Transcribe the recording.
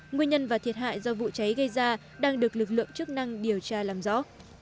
nguyên nhân và thiệt hại do vụ cháy gây ra đang được lực lượng chức năng điều tra làm rõ